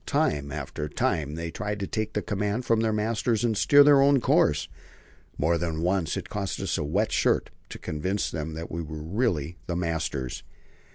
Time after time they tried to take the command from their masters and steer their own course. More than once it cost us a wet shirt to convince them that we really were the masters.